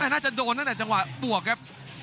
น่าจะโดนตั้งแต่จังหวะบวกครับ